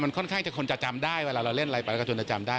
ค่อนข้างจะคนจะจำได้เวลาเราเล่นอะไรไปแล้วก็ชนจะจำได้